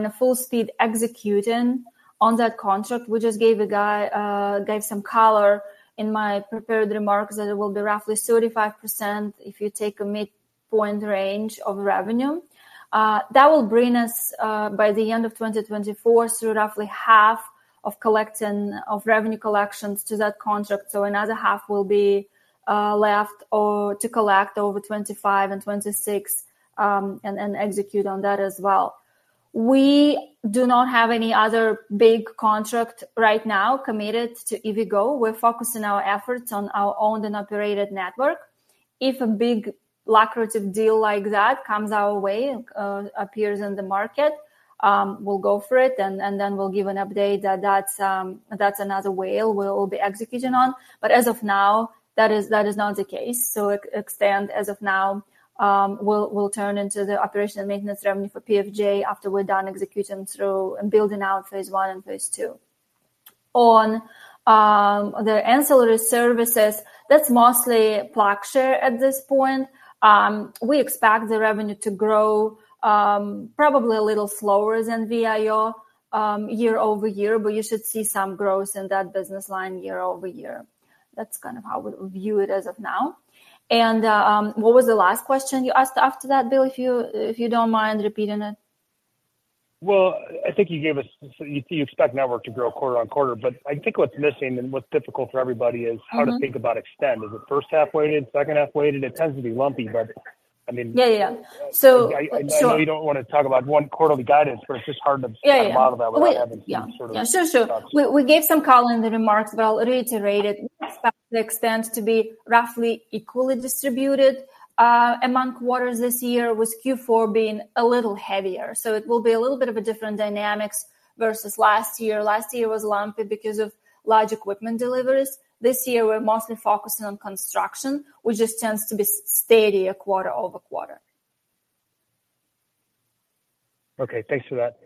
a full speed executing on that contract. We just gave some color in my prepared remarks that it will be roughly 35% if you take a midpoint range of revenue. That will bring us, by the end of 2024, through roughly half of revenue collections to that contract. So another half will be left to collect over 2025 and 2026 and execute on that as well. We do not have any other big contract right now committed to EVgo. We're focusing our efforts on our owned and operated network. If a big lucrative deal like that comes our way, appears in the market, we'll go for it. And then we'll give an update that that's another whale we'll be executing on. But as of now, that is not the case. So eXtend, as of now, will turn into the operation and maintenance revenue for PFJ after we're done executing through and building out phase one and phase two. On the ancillary services, that's mostly PlugShare at this point. We expect the revenue to grow probably a little slower than VIO year-over-year, but you should see some growth in that business line year-over-year. That's kind of how we view it as of now. And what was the last question you asked after that, Bill, if you don't mind repeating it? Well, I think you gave us you expect network to grow quarter-over-quarter. But I think what's missing and what's difficult for everybody is how to think about eXtend. Is it first-half weighted, second-half weighted? It tends to be lumpy, but I mean. Yeah. Yeah. Yeah. So. I know you don't want to talk about one quarterly guidance, but it's just hard to kind of model that without having some sort of thoughts. Yeah. Sure. Sure. We gave some color in the remarks, but I'll reiterate it. Expect the eXtend to be roughly equally distributed among quarters this year, with Q4 being a little heavier. So it will be a little bit of a different dynamics versus last year. Last year was lumpy because of large equipment deliveries. This year, we're mostly focusing on construction, which just tends to be steadier quarter-over-quarter. Okay. Thanks for that.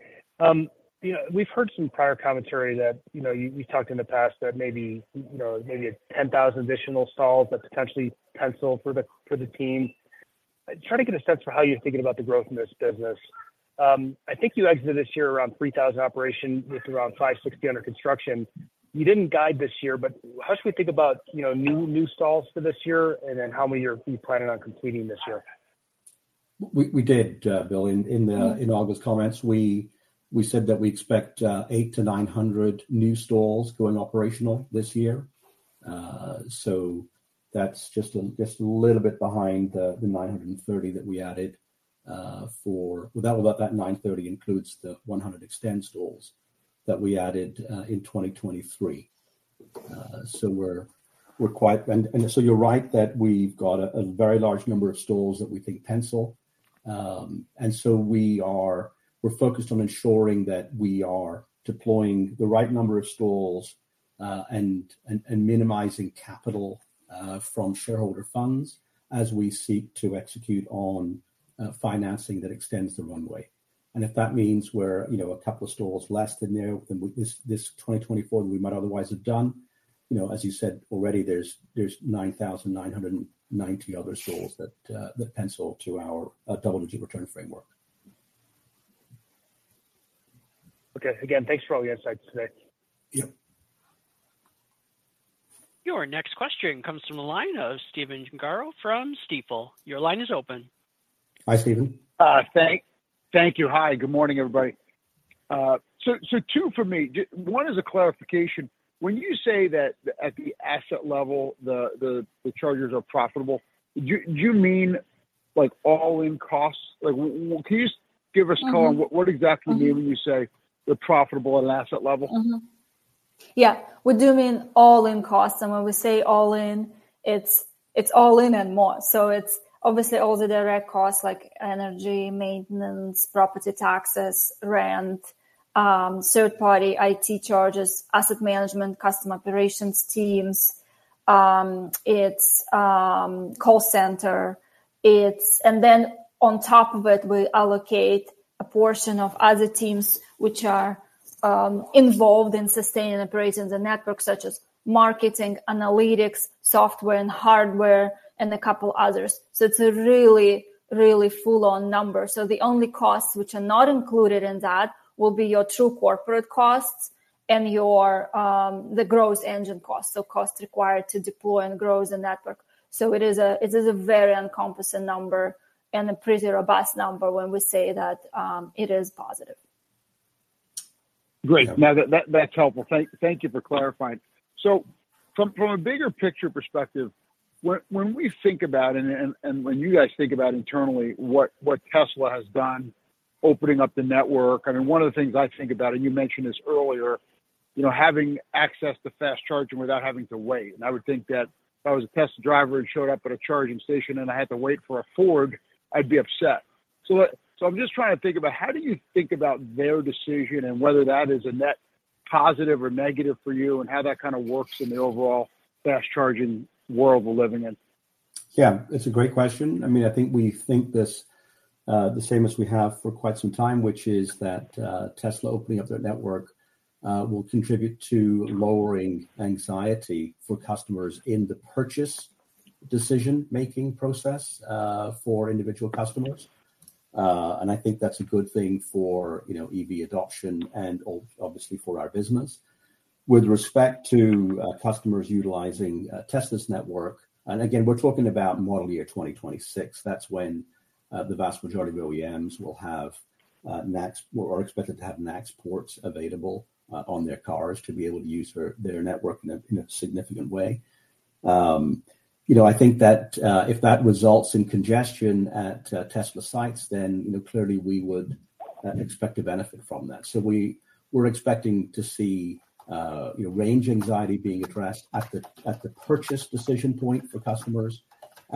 We've heard some prior commentary that you've talked in the past that maybe 10,000 additional stalls that potentially pencil for the team. Try to get a sense for how you're thinking about the growth in this business. I think you exited this year around 3,000 operational with around 5,600 under construction. You didn't guide this year, but how should we think about new stalls for this year and then how many are you planning on completing this year? We did, Bill, in August comments. We said that we expect 800-900 new stalls going operational this year. So that's just a little bit behind the 930 that we added, well, that 930 includes the 100 eXtend stalls that we added in 2023. So we're quite, and so you're right that we've got a very large number of stalls that we think pencil. And so we're focused on ensuring that we are deploying the right number of stalls and minimizing capital from shareholder funds as we seek to execute on financing that extends the runway. And if that means we're a couple of stalls less than this 2024 than we might otherwise have done, as you said already, there's 9,990 other stalls that pencil to our double-digit return framework. Okay. Again, thanks for all your insights today. Yep. Your next question comes from the line of Stephen Gengaro from Stifel. Your line is open. Hi, Stephen. Thank you. Hi. Good morning, everybody. Two for me. One is a clarification. When you say that at the asset level, the chargers are profitable, do you mean all-in costs? Can you just give us color on what exactly you mean when you say they're profitable at an asset level? Yeah. We do mean all-in costs. And when we say all-in, it's all-in and more. So it's obviously all the direct costs like energy, maintenance, property taxes, rent, third-party IT charges, asset management, customer operations teams. It's call center. And then on top of it, we allocate a portion of other teams which are involved in sustaining and operating the network such as marketing, analytics, software and hardware, and a couple others. So it's a really, really full-on number. So the only costs which are not included in that will be your true corporate costs and the gross engineering costs, so costs required to deploy and grow the network. So it is a very encompassing number and a pretty robust number when we say that it is positive. Great. Now, that's helpful. Thank you for clarifying. So from a bigger picture perspective, when we think about and when you guys think about internally what Tesla has done opening up the network, I mean, one of the things I think about, and you mentioned this earlier, having access to fast charging without having to wait. And I would think that if I was a Tesla driver and showed up at a charging station and I had to wait for a Ford, I'd be upset. So I'm just trying to think about how do you think about their decision and whether that is a net positive or negative for you and how that kind of works in the overall fast charging world we're living in? Yeah. It's a great question. I mean, I think we think this the same as we have for quite some time, which is that Tesla opening up their network will contribute to lowering anxiety for customers in the purchase decision-making process for individual customers. And I think that's a good thing for EV adoption and obviously for our business with respect to customers utilizing Tesla's network. And again, we're talking about model year 2026. That's when the vast majority of OEMs will have or are expected to have NACS ports available on their cars to be able to use their network in a significant way. I think that if that results in congestion at Tesla sites, then clearly, we would expect to benefit from that. So we're expecting to see range anxiety being addressed at the purchase decision point for customers.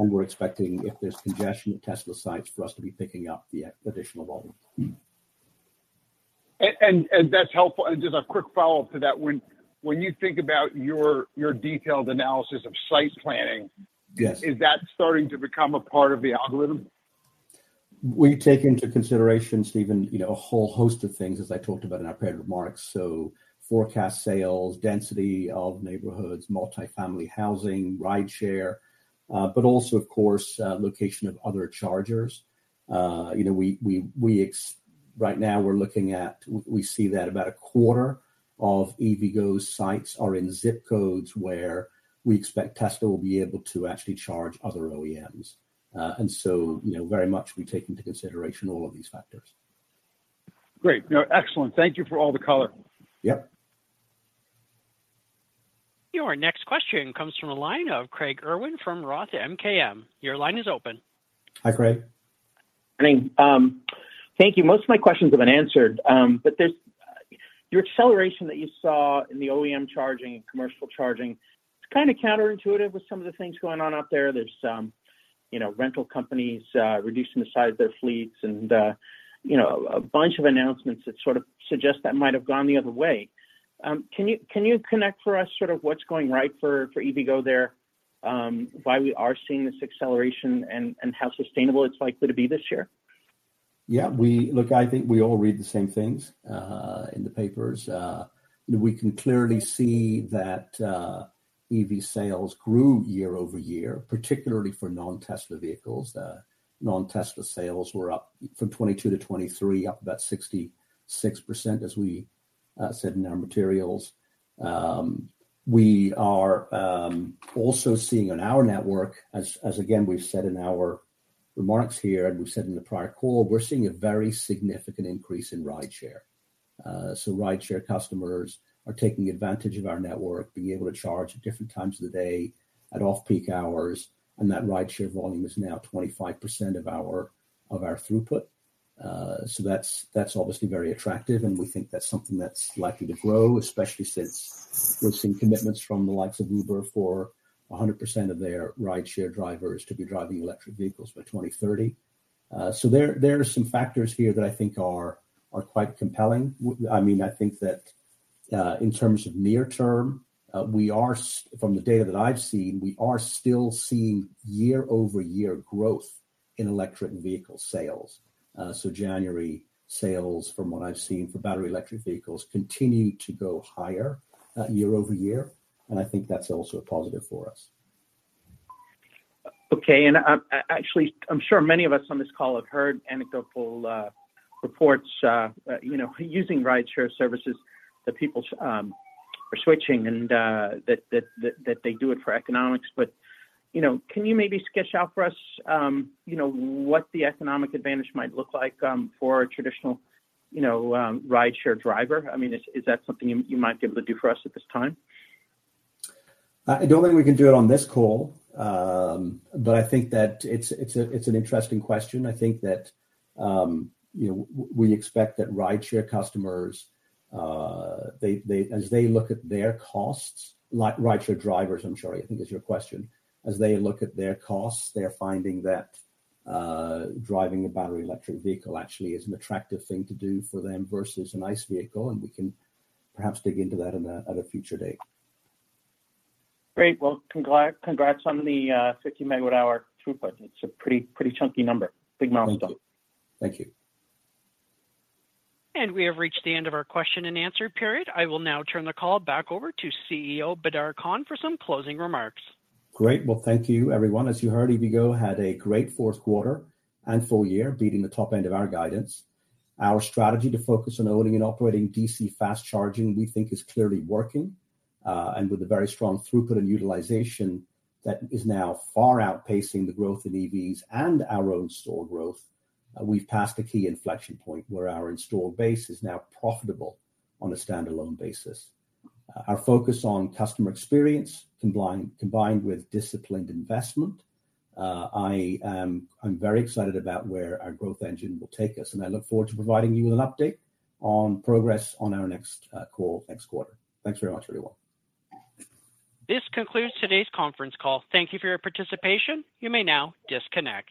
We're expecting, if there's congestion at Tesla sites, for us to be picking up the additional volume. That's helpful. Just a quick follow-up to that. When you think about your detailed analysis of site planning, is that starting to become a part of the algorithm? We take into consideration, Stephen, a whole host of things, as I talked about in our prepared remarks. So forecast sales, density of neighborhoods, multifamily housing, rideshare, but also, of course, location of other chargers. Right now, we see that about a quarter of EVgo's sites are in zip codes where we expect Tesla will be able to actually charge other OEMs. And so very much, we take into consideration all of these factors. Great. Excellent. Thank you for all the color. Yep. Your next question comes from the line of Craig Irwin from Roth MKM. Your line is open. Hi, Craig. I mean, thank you. Most of my questions have been answered. But your acceleration that you saw in the OEM charging and commercial charging, it's kind of counterintuitive with some of the things going on out there. There's rental companies reducing the size of their fleets and a bunch of announcements that sort of suggest that might have gone the other way. Can you connect for us sort of what's going right for EVgo there, why we are seeing this acceleration, and how sustainable it's likely to be this year? Yeah. Look, I think we all read the same things in the papers. We can clearly see that EV sales grew year over year, particularly for non-Tesla vehicles. Non-Tesla sales were up from 2022 to 2023, up about 66%, as we said in our materials. We are also seeing in our network, as again, we've said in our remarks here and we've said in the prior call, we're seeing a very significant increase in rideshare. So rideshare customers are taking advantage of our network, being able to charge at different times of the day, at off-peak hours. And that rideshare volume is now 25% of our throughput. So that's obviously very attractive. And we think that's something that's likely to grow, especially since we're seeing commitments from the likes of Uber for 100% of their rideshare drivers to be driving electric vehicles by 2030. So there are some factors here that I think are quite compelling. I mean, I think that in terms of near term, from the data that I've seen, we are still seeing year-over-year growth in electric vehicle sales. So January sales, from what I've seen for battery electric vehicles, continue to go higher year-over-year. And I think that's also a positive for us. Okay. Actually, I'm sure many of us on this call have heard anecdotal reports using rideshare services that people are switching and that they do it for economics. But can you maybe sketch out for us what the economic advantage might look like for a traditional rideshare driver? I mean, is that something you might be able to do for us at this time? I don't think we can do it on this call, but I think that it's an interesting question. I think that we expect that rideshare customers, as they look at their costs, rideshare drivers, I'm sorry, I think is your question. As they look at their costs, they're finding that driving a battery electric vehicle actually is an attractive thing to do for them versus an ICE vehicle. We can perhaps dig into that at a future date. Great. Well, congrats on the 50 MWh throughput. It's a pretty chunky number, big milestone. Thank you. Thank you. We have reached the end of our question and answer period. I will now turn the call back over to CEO Badar Khan for some closing remarks. Great. Well, thank you, everyone. As you heard, EVgo had a great fourth quarter and full year beating the top end of our guidance. Our strategy to focus on owning and operating DC fast charging, we think, is clearly working. And with a very strong throughput and utilization that is now far outpacing the growth in EVs and our own store growth, we've passed a key inflection point where our installed base is now profitable on a standalone basis. Our focus on customer experience combined with disciplined investment, I'm very excited about where our growth engine will take us. And I look forward to providing you with an update on progress on our next call next quarter. Thanks very much, everyone. This concludes today's conference call. Thank you for your participation. You may now disconnect.